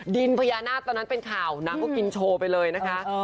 ดินพญานาคตอนนั้นเป็นข่าวนางก็กินโชว์ไปเลยนะคะ